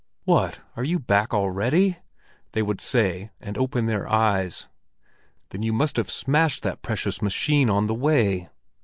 "What, are you back already?" they would say, and open their eyes. "Then you must have smashed that precious machine on the way!"